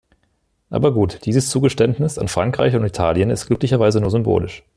Aber gut, dieses Zugeständnis an Frankreich und Italien ist glücklicherweise nur symbolisch.